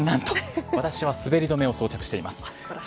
私は滑り止めを装着しています。